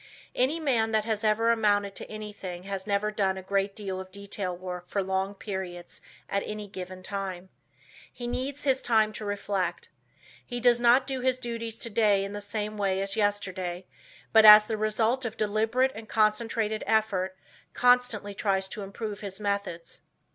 Any man that has ever amounted to anything has never done a great deal of detail work for long periods at any given time. He needs his time to reflect. He does not do his duties today in the same way as yesterday, but as the result of deliberate and concentrated effort, constantly tries to improve his methods.